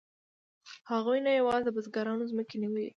هغوی نه یوازې د بزګرانو ځمکې ونیولې